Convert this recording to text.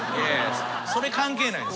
それ関係ないです。